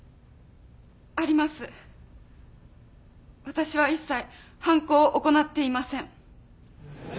私は一切犯行を行っていません。